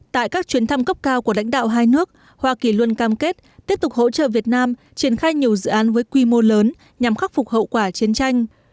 tại các chuyến thăm cấp cao của lãnh đạo hai nước hoa kỳ luôn cam kết tiếp tục hỗ trợ việt nam triển khai nhiều dự án với quy mô lớn nhằm khắc phục hậu quả chiến tranh